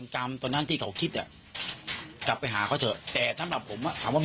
คนที่เชื่อแล้วทำกับน้อง